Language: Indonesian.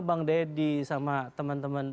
bang deddy sama teman teman